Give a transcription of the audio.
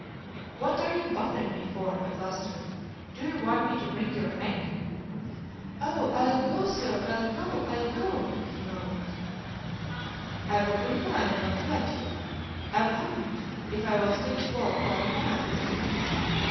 "What are you bothering me for?" I blustered. "Do you want me to wring your neck?" "Oh, I'll go, sir! I'll go, I'll go," he moaned. "I've a good mind not to let you. I wouldn't if I was fit to walk five miles."